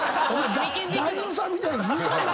男優さんみたいに言うたんな！